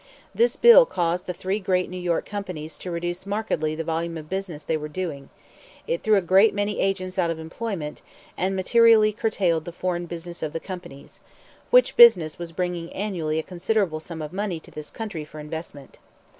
This bill caused the three great New York companies to reduce markedly the volume of business they were doing; it threw a great many agents out of employment, and materially curtailed the foreign business of the companies which business was bringing annually a considerable sum of money to this country for investment.